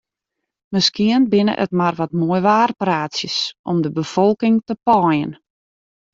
Miskien binne it mar wat moaiwaarpraatsjes om de befolking te paaien.